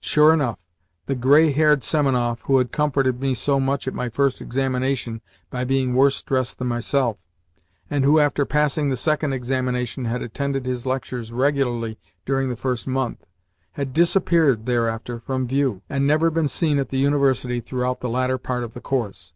Sure enough, the grey haired Semenoff who had comforted me so much at my first examination by being worse dressed than myself, and who, after passing the second examination, had attended his lectures regularly during the first month, had disappeared thereafter from view, and never been seen at the University throughout the latter part of the course.